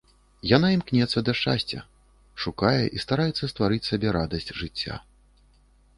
Яна імкнецца да шчасця, шукае і стараецца стварыць сабе радасць жыцця.